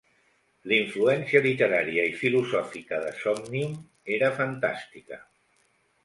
L"influència literària i filosòfica de "Somnium" era fantàstica.